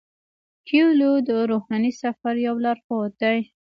کویلیو د روحاني سفر یو لارښود دی.